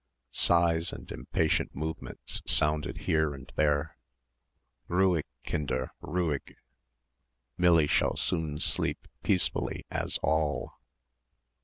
Sighs and impatient movements sounded here and there. "Ruhig, Kinder, ruhig. Millie shall soon sleep peacefully as all."